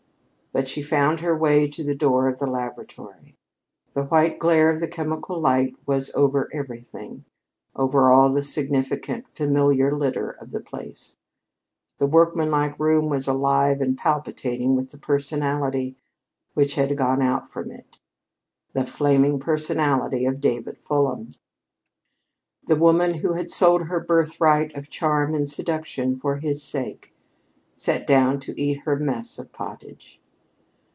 But she found her way to the door of the laboratory. The white glare of the chemical lights was over everything over all the significant, familiar litter of the place. The workmanlike room was alive and palpitating with the personality which had gone out from it the flaming personality of David Fulham. The woman who had sold her birthright of charm and seduction for his sake sat down to eat her mess of pottage.